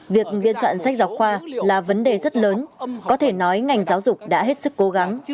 việc biên soạn sách giáo khoa là vấn đề rất lớn có thể nói ngành giáo dục đã hết sức cố gắng